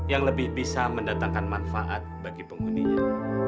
yang lebih bisa mendatangkan manfaat bagi penghuninya